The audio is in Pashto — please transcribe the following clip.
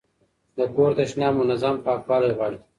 د کور تشناب منظم پاکوالی غواړي.